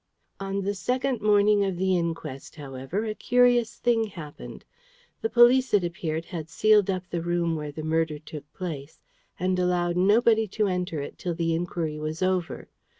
On the second morning of the inquest, however, a curious thing happened. The police, it appeared, had sealed up the room where the murder took place, and allowed nobody to enter it till the inquiry was over.